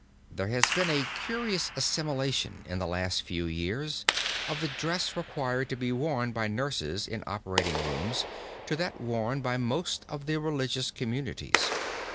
There has been a curious assimilation in the last few years, of the dress required to be worn by nurses in operating rooms to that worn by most of the religious communities.